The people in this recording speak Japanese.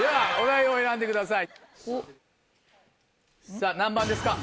さぁ何番ですか？